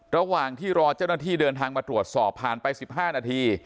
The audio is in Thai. ระหว่างที่รอเจ้าหน้าที่เดินทางมาตรวจสอบผ่านไป๑๕นาที